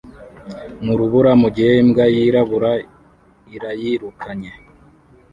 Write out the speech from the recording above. mu rubura mugihe imbwa yirabura irayirukanye